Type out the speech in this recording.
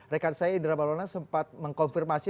rekan saya indra balona sempat mengkonfirmasi